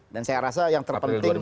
dan saya rasa yang terpenting